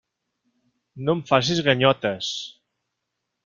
No em facis ganyotes.